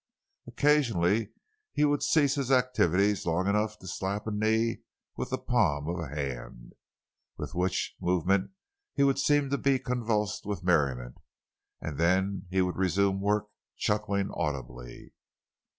Occasionally he would cease his activities long enough to slap a knee with the palm of a hand, with which movement he would seem to be convulsed with merriment, and then he would resume work, chuckling audibly.